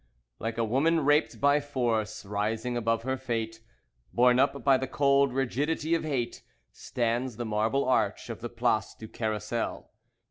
Like a woman raped by force, rising above her fate, Borne up by the cold rigidity of hate, Stands the marble arch of the Place du Carrousel.